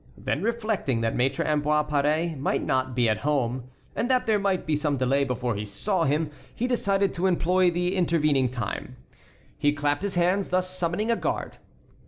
Then reflecting that Maître Ambroise Paré might not be at home, and that there might be some delay before he saw him, he decided to employ the intervening time. He clapped his hands, thus summoning a guard.